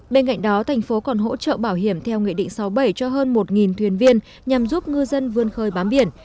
bên cạnh đó thành phố còn hỗ trợ bảo hiểm theo nghị định sáu bảy cho hơn một thuyền viên nhằm giúp ngư dân vươn khơi bám biển